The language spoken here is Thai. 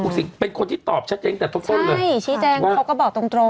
บุกสิงห์เป็นคนที่ตอบชัดเจนแต่ต้นเลยใช่ชี้แจงเขาก็บอกตรง